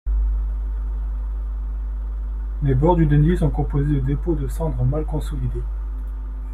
Les bords du Dendi sont composés de dépôts de cendre mal consolidés.